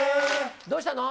どうしたの？